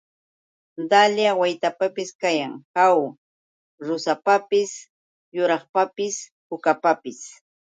Dalya waytapis kayan, ¿aw? Rusapapis yuraqpis pukapis.